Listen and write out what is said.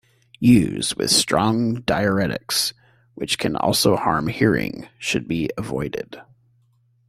Use with strong diuretics, which can also harm hearing, should be avoided.